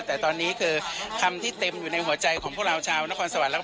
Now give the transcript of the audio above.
แต่ตอนนี้คือคำที่เต็มอยู่ในหัวใจของพวกเราชาวนครสวรรค์